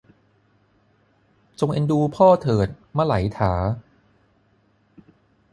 จงเอ็นดูพ่อเถิดมะไหลถา